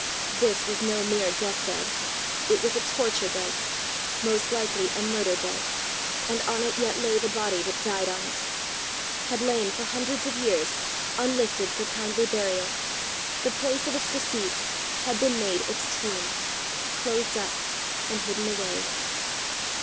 This was no mere death bed; it was a torture bed most likely a murder bed; and on it yet lay the body that died on it had lain for hundreds of years, unlifted for kindly burial: the place of its decease had been made its tomb closed up and hidden away!